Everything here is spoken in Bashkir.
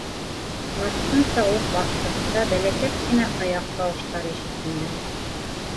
Артынса уҡ баҫҡыста бәләкәс кенә аяҡ тауыштары ишетелде.